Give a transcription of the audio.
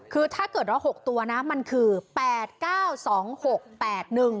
คือถ้าเกิดรอง๖ตัวนะมันคือ๘๙๒๖๘๑